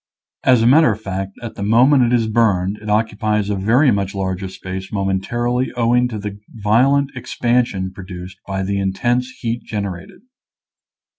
As a matter of fact, at the moment it is burned it occupies a very much larger space momentarily owing to the violent expansion produced by the intense heat gen erated.